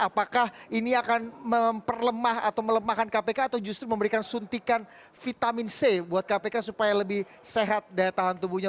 apakah ini akan memperlemah atau melemahkan kpk atau justru memberikan suntikan vitamin c buat kpk supaya lebih sehat daya tahan tubuhnya